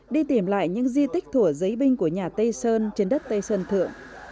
đi tìm lại những di tích thủa giấy binh của nhà tây sơn trên đất tây sơn thượng